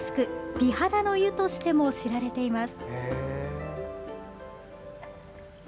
・美肌の湯としても知られています。